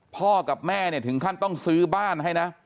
พ่อกับแม่เนี่ยถึงขั้นต้องซื้อบ้านให้นะ